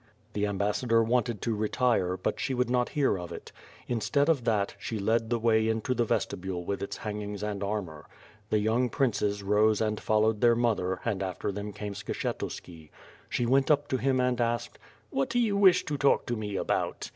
'' The ambassador wanted to retire, but she would not hear of it. Instead of that, she led the way into the vestibule with its hangings and armor. The young princes rose and followed their mother and after them came Skshetuski. She went up to him and asked: "What do you wish to talk to me about?'